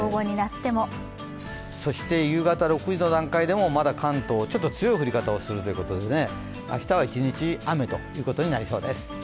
そして夕方６時の段階でもまだ関東ちょっと強い降り方をするということで明日は一日、雨ということになりそうです。